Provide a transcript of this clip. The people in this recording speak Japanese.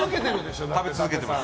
食べ続けてます。